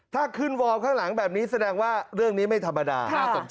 ถ้าขึ้นวอลข้างหลังแบบนี้แสดงว่าเรื่องนี้ไม่ธรรมดา